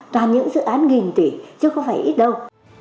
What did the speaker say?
toàn những dự án nghìn tỷ chứ không phải ít đâu